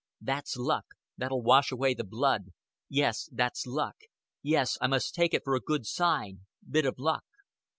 "That's luck. That'll wash away the blood. Yes, that's luck. Yes, I must take it for a good sign bit o' luck."